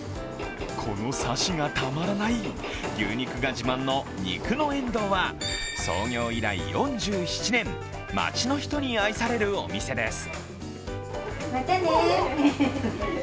このサシがたまらない牛肉が自慢の肉のえんどうは創業以来４７年、町の人に愛されるお店です。